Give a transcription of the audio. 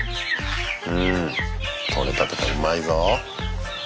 うんとれたてだうまいぞ。